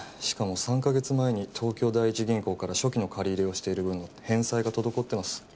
しかも３カ月前に東京第一銀行から初期の借り入れをしている分の返済が滞ってます。